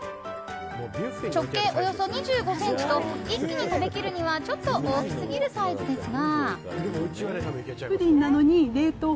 直径およそ２５ｃｍと一気に食べきるにはちょっと大きすぎるサイズですが。